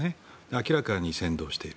明らかに扇動している。